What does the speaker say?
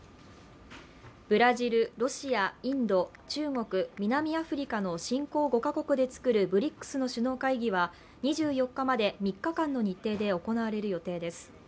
ブラジル、ロシア、インド、中国、南アフリカの新興５か国で作るＢＲＩＣＳの首脳会議は２４日まで３日間の日程で行われる予定です。